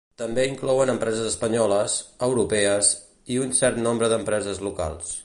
També inclouen empreses espanyoles, europees i un cert nombre d'empreses locals.